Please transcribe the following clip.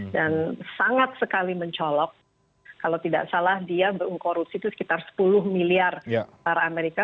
dan sangat sekali mencolok kalau tidak salah dia mengkorupsi itu sekitar sepuluh miliar para amerika